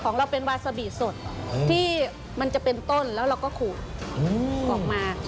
ของเราเป็นวาซาบีสดที่มันจะเป็นต้นแล้วเราก็ขูดออกมา